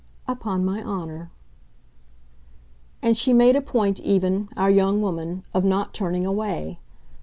"Upon my honour:" And she made a point even, our young woman, of not turning away.